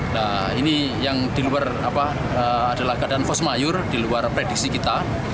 nah ini yang diluar adalah keadaan kosmayur diluar prediksi kita